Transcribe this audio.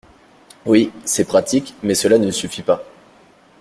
Oui, c’est pratique, mais cela ne suffit pas.